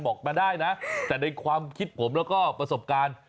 บอกมาได้นะแต่ในความคิดผมแล้วก็ประสบการณ์